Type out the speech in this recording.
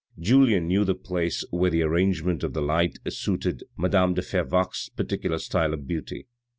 Julien knew the place where the arrangement of the light suited madame de Fervaques' particular style of beauty.